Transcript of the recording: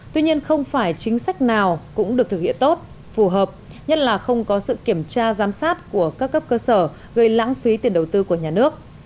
tuy nhiên không phải chính sách nào cũng được thực hiện tốt phù hợp nhất là không có sự kiểm tra giám sát của các cấp cơ sở gây lãng phí tiền đầu tư của nhà nước